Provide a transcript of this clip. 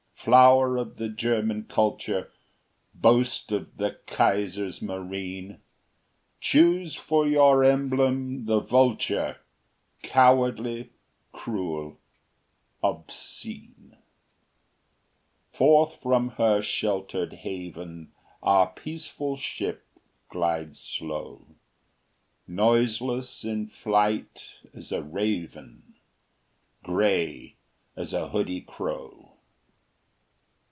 Flower of the German Culture, Boast of the Kaiser's Marine, Choose for your emblem the vulture, Cowardly, cruel, obscene! Forth from her sheltered haven Our peaceful ship glides slow, Noiseless in flight as a raven, Gray as a hoodie crow.